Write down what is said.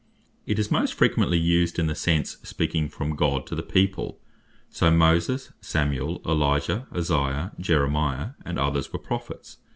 It is most frequently used in the sense of speaking from God to the People. So Moses, Samuel, Elijah, Isaiah, Jeremiah, and others were Prophets.